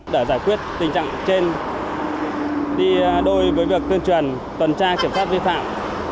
đã giải quyết tình trạng trên đi đôi với việc tuyên truyền toàn tra kiểm phát vi phạm